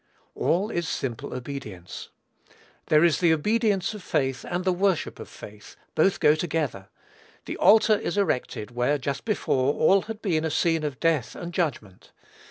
All is simple obedience. There is the obedience of faith and the worship of faith: both go together. The altar is erected, where, just before; all had been a scene of death and judgment.